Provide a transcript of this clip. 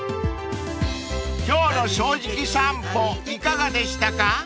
［今日の『正直さんぽ』いかがでしたか？］